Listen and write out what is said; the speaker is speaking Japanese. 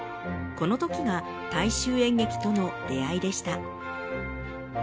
この時が大衆演劇との出会いでした。